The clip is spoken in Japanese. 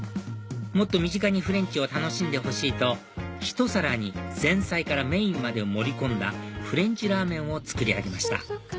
もっと身近にフレンチを楽しんでほしいとひと皿に前菜からメインまでを盛り込んだフレンチラーメンを作り上げました